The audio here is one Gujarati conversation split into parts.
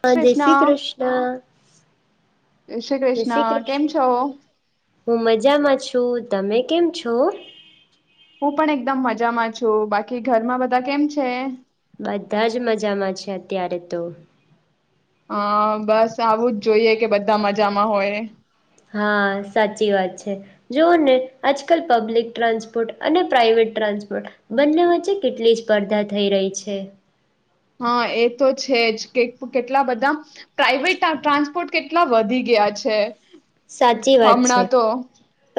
હા જય શ્રી કૃષ્ણ. જય શ્રી કેમ કૃષ્ણ, છો હું હું મજામાં છું. તમે કેમ છો? હું પણ એકદમ મજામાં છું બાકી ઘરમાં બધા કેમ છે? બધા જ મજામાં છે અત્યારે તો. હા બસ આવું જ જોઈએ કે બધા મજામાં હોય. હા સાચી વાત છે, જોવઓ ને આજકાલ પબ્લિક ટ્રાન્સપોર્ટ અને પ્રાાઈવેટ ટ્રાન્સપોર્ટ, બંને વચ્ચે કેટલી સ્પર્ધા થઈ. રહી છે હા એ તો છે જ કે કેટલા બધા, પ્રાઈવેટ ટ્રાન્સપોર્ટ કેટલા વધી ગયા છે. સાચી વાત છે. હમણાં તો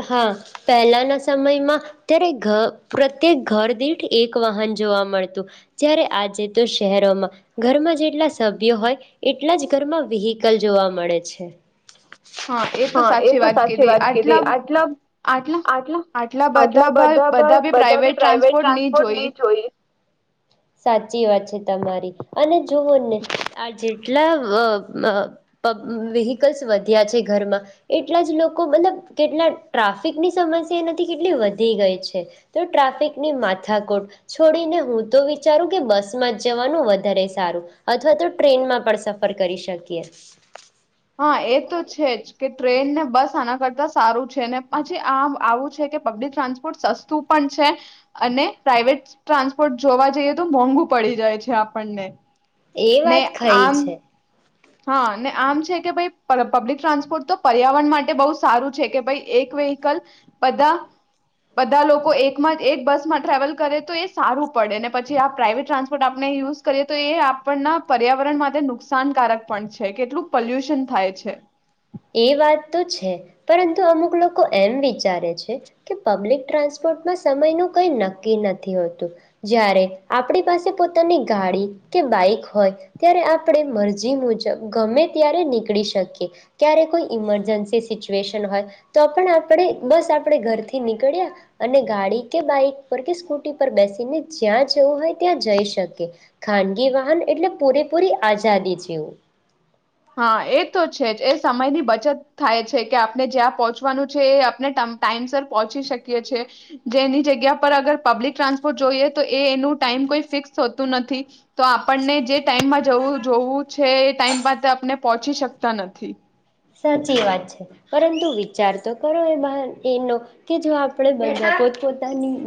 હા પહેલાના સમયમાં ત્યારે ઘ પ્રત્યેક ઘર દીઠ એક વાહન જોવા મળતું, જ્યારે આજે તો શહેરોમાં ઘરમાં જેટલા સભ્યો હોય, એટલા જ ઘરમાં વ્હકલ જોવા મળે છે. હા એ તો સાચી વાત કીધી આટલા આટલા આટલા આટલા બધા બધા બી પ્રાાઈવેટ ટ્રાન્સપોર્ટ નહી જોઈએ. સાચી વાત છે તમારી, અને જોઓને આ જેટલા વેહકલ્સ વધ્યા છે ઘરમાં, એટલા જ લોકો મતલબ કેટલા ટ્રાફિકની સમસ્યા એનાથી કેટલી વધી ગઈ છે, તો ટ્રાફિકની માથાકોટ છોડીને, હું તો વિચારું કે બસમાં જ જવાનું વધારે સારું, અથવા તો ટ્રેનમાં પણ સફર કરી શકીએ. હા એ તો છે જ કે ટ્રેન ને બસ આના કરતા સારું છે ને પછી આમ આવું છે કે પબ્લિક ટ્રાન્સપોર્ટ સસ્તું પણ છે, અને પ્રાઈઇવેટ ટ્રાન્સપોર્ટ જોવા જઈએ તો મોંઘુ પડી જાય છે આપણને. એ ને વાત ખરી આમ છે. હા ને આમ છે કે ભાઈ પબ્લિક ટ્રાન્સપોર્ટ તો પર્યાવરણ માટે બહુ સારું છે કે ભાઈ એક વેહકલ, બધા બધા લોકો એક એક બસમાં ટ્રાવેલ કરે તો એ સારું પડે ને પછી આ પ્રાઇવેટ ટ્રાન્સપોર્ટ આપણે યુઝ કરીએ તો એ આપણના પર્યાવરણ માટે નુકસાનકારક પણ છે કેટલું પોલ્યુશન થાય છે. એ વાત તો છે, પરંતુ અમુક લોકો એમ વિચારે છે, કે પબ્લિક ટ્રાન્સપોર્ટમાં સમય નું કઈ નક્કી નથી હોતું, જ્યારે આપણી પાસે પોતાની ગાડી કે બાઈક હોય ત્યારે આપણે મરજી મુજબ ગમે ત્યારે નીકળી શકીએ. ક્યારે કોઈ ઈમરજન્સી સિચુએશન હોય તો પણ આપણે બસ આપણે ઘરથી નીકળ્યા અને ગાડી કે બાઈક પર કે સ્કૂટી પર બેસીને જ્યાં જવું હોય ત્યાં જઈ શકીએ ખાનગી વાહન એટલે પૂરેપૂરી આઝાદી જેવું હા એ તો છે જ એ સમયની બચત થાય છે કે આપણે જ્યાં પહોંચવાનું છે એ આપણે ટાઈમસ પહોંચી શકીએ છી જેની જગ્યા પર અગર પબ્લિક ટ્રાન્સપોર્ટ જોઈએ તો એ એનું ટાઈમ કોઈ ફિક્સ થતું નથી તો આપણને જે ટાઈમમાં જવું જોવું છે એ ટાઈમમાં આપને પહોંચી શકતા નથી સાચી વાત છે પરંતુ વિચાર તો કરો એ એનો કે જો આપણે બધા પોતપોતાની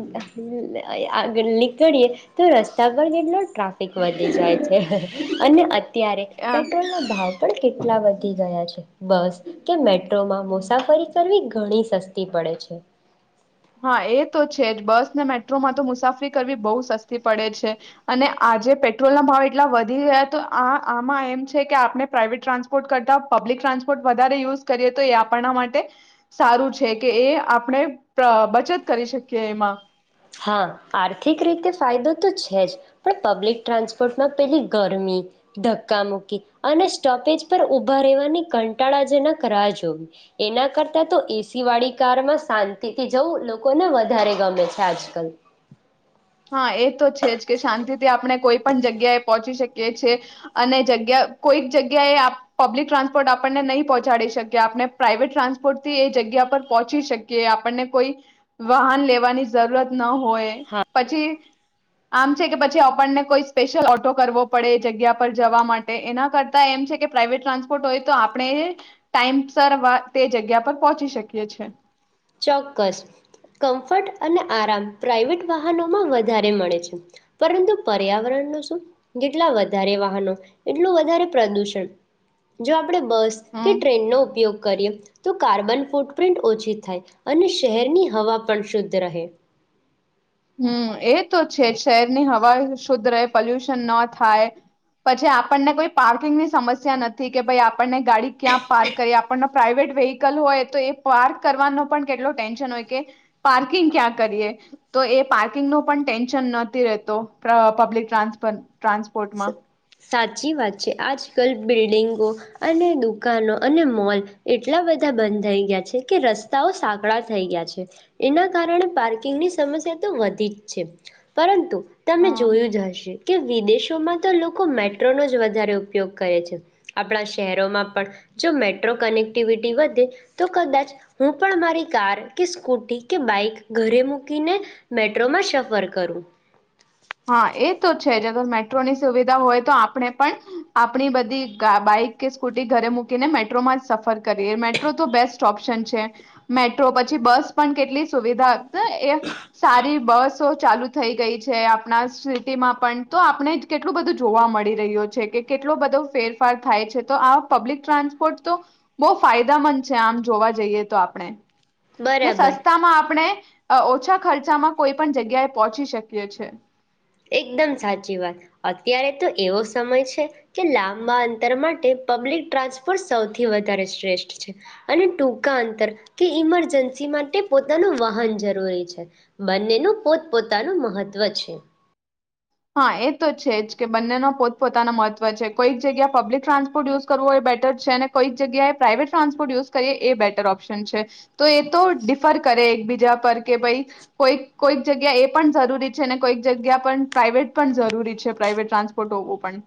આગળ નીકળીએ તો રસ્તા પર કેટલો ટ્રાફિક વધી જાય છે અને ત્યારે આ પેટ્રોલ નો ભાવ પણ કે એટલા વધી ગયા છે બસ કે મેટ્રોમાં મુસાફરી કરવી ઘણી સસ્તી પડે છે હા એ તો છે જ બસ ને મેટ્રોમાં તો મુસાફરી કરવી બહુ સસ્તી પડે છે અને આજે પેટ્રોલના ભાવ એટલા વધી ગયા તો આ આમાં એમ છે કે આપણે પ્રાઇવેટ ટ્રાન્સપોર્ટ કરતા પબ્લિક ટ્રાન્સપોર્ટ વધારે યુઝ કરીએ તો એ આપણના માટે સારું છે કે એ આપણે બચત કરી શકીએ એમાં હા આર્થિક રીતે ફાયદો તો છે જ પણ પબ્લિક ટ્રાન્સપોર્ટમાં પેલી ગરમી ધક્કા મૂકી અને સ્ટોપેજ પર ઊભા રહેવાની કંટાળાજનક રાહ જોવી એના કરતાં તો એસીવાળી કારમાં શાંતિથી જવું લોકોને વધારે ગમે છે આ જ કલ હા એ તો છે જ કે શાંતિથી આપણે કોઈ પણ જગ્યાએ પહોંચી શકીએ છીએ અને જગ્યા કોઈક જગ્યાએ પબ્લિક ટ્રાન્સપોર્ટ આપણને નહી પહોંચાડી શકીએ આપણે પ્રાઇવેટ ટ્રાન્સપોર્ટથી એ જગ્યા પર પહોંચી શકીએ આપણને કોઈ વાહન લેવાની જરૂરત ન હો હોય હા પછી, આમ છે કે પછી આપણને કોઈ સ્પેશિયલ ઓટો કરવો પડે એ જગ્યા પર જવા માટે એના કરતા એમ છે કે પ્રાઇવેટ ટ્રાન્સપોર્ટ હોય તો આપણે ટાઈમસર તે જગ્યા પર પહોંચી શકીએ છે ચોક્કસ કમ્ફર્ટ અને આરામ પ્રાઇવેટ વાહનોમાં વધારે મળે છે પરંતુ પર્યાવરણ નુ શું? જેટલા વધારે વાહનો એટલું વધારે પ્રદુષણ જો આપણે બસ કે હમ ટ્રેનનો ઉપયોગ કરીએ.. તો કાર્બન ફૂટપ્રિન્ટ ઓછી થાય. અને શહેરની હવા પણ શુદ્ધ રહે. હમ્મ એ તો છે શહેરની હવા શુદ્ધ રહે પોલ્યુશન ન થાય પછી આપણને કોઈ પાર્કિંગની સમસ્યા નથી કે ભાઈ આપણને ગાડી ક્યાં પાર્ક કરીએ આપણને પ્રાઇવેટ વેહિકલ હોય તો એ પાર્ક કરવાનો પણ કેટલો ટેન્શન હોય કે પાર્કિંગ ક્યાં કરીએ તો એ પાર્કિંગ ન પણ ટેન્શન નથી રહેતો પબ્લિક ટ્રાન્સપોર્ટમાં.. સાચી વાત છે આજકાલ બિલ્ડિંગો અને દુકાનો અને મોલ એટલા બધા બંધાય ગયા છે કે રસ્તાઓ સાંકળા થઈ ગયા છે એના કારણે પાર્કિંગની સમસ્યા તો વધી જ છે પરંતુ તમે હા જોયું જ હશે કે વિદેશોમાં તો લોકો લોકો મેટ્રોનો જ વધારે ઉપયોગ કરે છે. આપણા શહેરોમાં પણ જો મેટ્રો કનેક્ટિવિટી વધે તો કદાચ હું પણ મારી કાર કે સ્કૂટી કે બાઈક ઘરે મૂકીને મેટ્રોમાં સફર કરું. હા એ તો છે અગર મેટ્રોની સુવિધા હોય તો આપણે પણ આપણી બધી બાઈક કે સ્કૂટી ઘરે મૂકીને મેટ્રોમાં સફર કરીએ મેટ્રો તો બેસ્ટ ઓપ્શન છે મેટ્રો પછી બસ પણ કેટલી સુવિધા એ સારી બસો ચાલુ થઈ ગઈ છે. આપણા સિટીમાં પણ તો આપણે કેટલું બધું જોવા મળી રહ્યું છે કે કેટલો બધો ફેરફાર થાય છે. તો આ પબ્લિક ટ્રાન્સપોર્ટ તો બહુ ફાયદામંદ છે આમ જોવા જઈએ તો આપણે ને બરાબર સસ્તા માં આપણે.. ઓછા ખર્ચામાં કોઈ પણ જગ્યાએ પહોંચી શકીએ છે. એકદમ સાચી વાત અત્યારે તો એવો સમય છે કે લાંબા અંતર માટે પબ્લિક ટ્રાન્સપોર્ટ સૌથી વધારે શ્રેષ્ઠ છે અને ટૂંકા અંતર કે ઈમરજન્સી માટે પોતાનું વાહન જરૂરી છે બંનેનું પોતપોતાનું મહત્વ છે હા એ તો છે જ કે બંનેનો પોતપોતાના મહત્વ છે કોઈક જગ્યાએ પબ્લિક ટ્રાન્સપોર્ટ યુઝ કરવું હો એ બેટર છે અને કોઈક જગ્યાએ પ્રાઇવેટ ટ્રાન્સપોર્ટ યુઝ કરીએ એ બેટર ઓપ્શન છે. તો એ તો ડિફર કરે એક બી.. બી પર કે ભઈ કોઈક કોઈક જગ્યા એ પણ જરૂરી છે ને કોઈક જગ્યા પણ પ્રાાઈવેટ પણ જરૂરી છે પ્રાઇવેટ ટ્રાન્સપોર્ટ હોવું પણ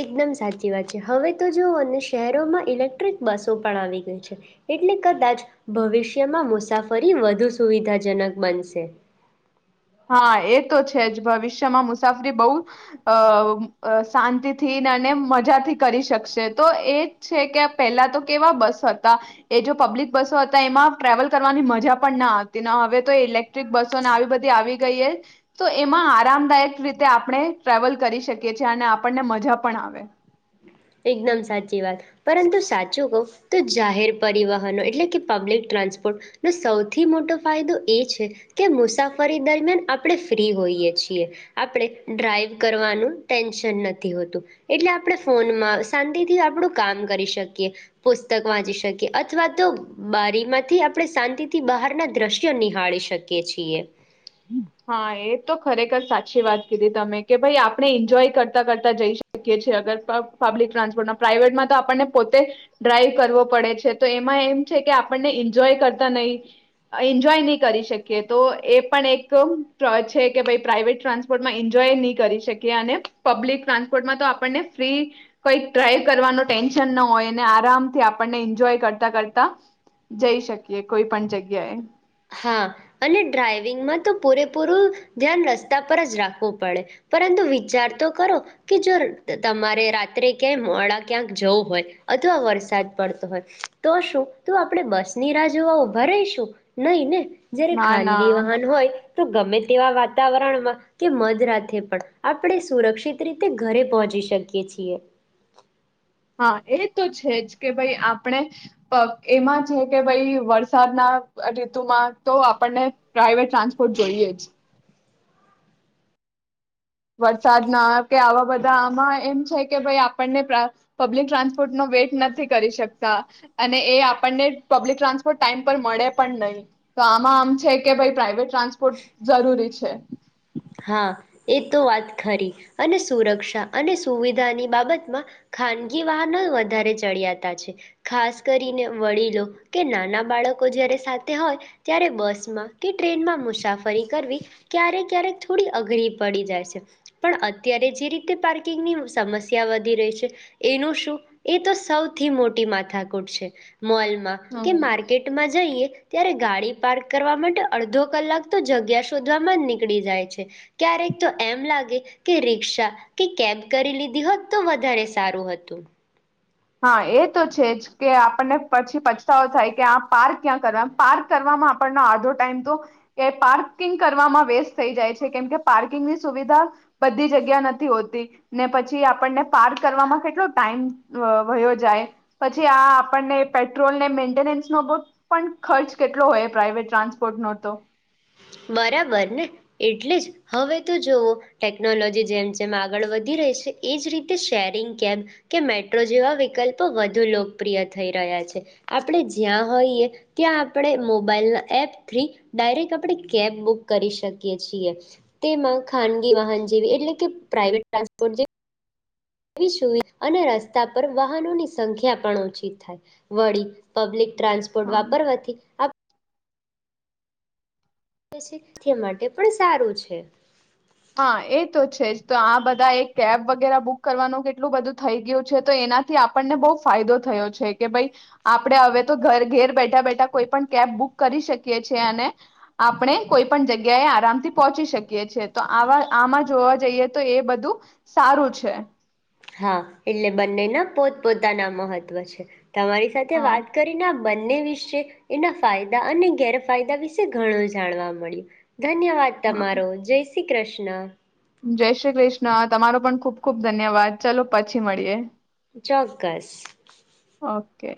એકદમ સાચી વાત છે હવે તો જોવઓ અને શહેરોમાં ઇલેક્ટ્રિક બસો પણ આવી ગઈ છે એટલે કદાચ ભવિષ્યમાં મુસાફરી વધુ સુવિધાજનક બનશે.. હા એ તો છે જ ભવિષ્યમાં મુસાફરી બહુ અ શાંતિથીને અને મજાથી કરી શકશે તો એજ છે કે પહેલા તો કેવા બસો હતા એ જો પબ્લિક બસો હતા એમાં ટ્રાવલ કરવાની મજા પણ ના હતી હવે તો ઇલેક્ટ્રિક બસોને આવી બધી આવી.. તો એમાં આરામદાયક રીતે આપણે ટ્રાવલ કરી શકીએ છીએ અને આપણને મજા પણ આવે. એકદમ સાચી વાત પરંતુ સાચું કહવ તો જાહેર પરિવહનો એટલે કે પબ્લિક ટ્રાન્સપોર્ટ ન સૌથી મોટો ફાયદો એ છે કે મુસાફરી દરમિયાન આપણે ફ્રી હોઈએ છીએ આપણે ડ્રાઈવ કરવાનું ટેન્શન નથી હોતું એટલે આપણે ફોન... શાંતિ થી આપણું કામ કરી શકીએ પુસ્તક વાંચી શકીએ અથવા તો બારીમાંથી આપણે શાંતિ થી બહાર ના દ્રશ્યો નિહાળી શકીએ છીએ. હા એ તો ખરેખર સાચી વાત કીધી તમે કે ભાઈ આપણે એન્જોય કરતા કરતા જઈ શકીએ છીએ અગર પબ્લિક ટ્રાન્સપોર્ટમાં પ્રાઇવેટમાં તો આપણને પોતે ડ્રાઈવ કરવો પડે છે તો એમાં એમ છે કે આપણને એન્જોય કરતા નહીં એન્જોય નહીં કરી શકીએ તો એ પણ એક.. છે કે ભાઈ પ્રાઈવેટ ટ્રાન્સપોર્ટમાં એન્જોય નહીં કરી શકીએ અને પબ્લિક ટ્રાન્સપોર્ટમાં તો આપણને ફ્રી કંઈક ડ્રાઈવ કરવાનું ટેન્શન ન હોય અને આરામથી આપણને એન્જોય કરતા કરતા જઈ શકીએ કોઈ પણ જગ્યાએ. હા અને ડ્રાઈવિંગમાં તો પૂરેપૂરું ધ્યાન રસ્તા પર જ રાખવું પડે પરંતુ વિચાર તો કરો કે જો તમારે રાત્રે ક્યાંય મોડા ક્યાંક જવું હોય અથવા વરસાદ પડતો હોય તો શું તું આપણે બસ ની રાહ જોવા ઉભા રહીશું? નહી ને જયારે ના ખાનગી ના વાહન હોય.. તો ગમે તેવા વાતાવરણમાં કે, મધરાતે પણ આપણે સુરક્ષિત રીતે ઘરે પહોંચી શકીએ છીએ. હા એ તો છે જ કે ભાઈ આપણે, એમાં છે કે ભાઈ વરસાદના ઋતુમાં તો આપણને પ્રાઈવેટ ટ્રાન્સપોર્ટ જોઈએ જ. વરસાદના કે આવા બધા આમાં એમ છે કે ભાઈ આપણને, પબ્લિક ટ્રાન્સપોર્ટ ન વેઇટ નથી કરી શકતા, અને એ આપણને પબ્લિક ટ્રાન્સપોર્ટ ટાઇમ પર મળે પણ નહીં, તો આમાં આમ છે કે ભાઈ પ્રાઇવેટ ટ્રાન્સપોર્ટ જરૂરી છે. હા, એ તો વાત ખરી, અને સુરક્ષા અને સુવિધાની બાબતમાં, ખાનગી વાહનો વધારે ચડિયાતા છે, ખાસ કરીને વડીલો કે નાના બાળકો જયારે સાથે હોય, ત્યારે બસમાં કે ટ્રેનમાં મુસાફરી કરવી ક્યારેક ક્યારેક થોડી અઘરી પડી જાય છે, પણ અત્યારે જે રીતે પાર્કિંગની સમસ્યા વધી રહી છે, એનું શું? એ તો સૌથી મોટી માથાકૂટ છે. મોલમાં કે હમ. માર્કેટમાં જઈએ ત્યારે ગાડી પાર્ક કરવા માટે અડધો કલાક તો જગ્યા શોધવામાં જ નીકળી જાય છે. ક્યારેક તો એમ લાગે કે રિક્ષા કે કેબ કરી લીધી હોત તો વધારે સારું હતું. હા એ તો છે જ કે આપણને પછી પછતાવો થાય કે આ પાર્ક ક્યાં કરવા પાર્ક કરવામાં આપણનો આડધો ટાઈમ તો, એ પાર્કિંગ કરવામાં વેસ્ટ થઈ જાય છે કેમ કે પાર્કિંગની સુવિધા, બધી જગ્યા નથી, હોતી ને પછી આપણને પાર્ક કરવામાં કેટલો ટાઈમ વયો જાય, પછી આ આપણને પેટ્રોલને મેન્ટેનન્સ નો પણ ખર્ચ કેટલો હોય પ્રાઈવેટ ટ્રાન્સપોર્ટ ન તો. બરાબર ને, એટલે જ હવે તો જોવઓ ટેકનોલોજી જેમ જેમ આગળ વધી રહી છે એજ રીતે શેરિંગ કેબ, કે મેટ્રો જેવા વિકલ્પો વધુ લોકપ્રિય થઈ રહ્યા છે, આપણે જ્યાં હોઈએ ત્યાં આપણે મોબાઈલના એપ થથી ડાયરેક્ટ આપણે કેબ બુક કરી શકીએ છીએ, તેમાં ખાનગી વાહન જેવી એટલે કે પ્રાઇવેટ ટ્રાન્સપોર્ટ જેવી એવી સુવિધા અને રસ્તા પર વાહનોની સંખ્યા પણ ઓછી થાય, વળી પબ્લિક ટ્રાન્સપોર્ટ હ વાપરવાથી, આપ તે માટે પણ સારું છે. હા એ તો છે જ તો આ બધા એક કેબ વગેરે બુક કરવાનું કેટલું બધું થઈ ગયું છે તો એનાથી આપણને બહુ ફાયદો થયો છે કે ભાઈ, આપણે હવે તો ઘર ઘેર બેઠા બેઠા કોઈ પણ કેબ બુક કરી શકીએ છેએ અને, આપણે કોઈ પણ જગ્યાએ આરામથી પહોંચી શકીએ છેએ. તો આવા આમાં જોવા જઈએ તો એ બધું સારું છે. હા એટલે બંનેના પોતપોતાના મહત્વ છે. તમારી સાથે હા વાત કરીને બંને વિશે એના ફાયદા અને ગેરફાયદા વિશે ઘણું જાણવા મળ્યું. ધન્યવાદ હા તમારો જય શ્રી કૃષ્ણ. જય શ્રી કૃષ્ણ તમારો પણ ખુબ ખુબ ધન્યવાદ ચાલો પછી મળીએ. ચોક્કસ. ઓકે.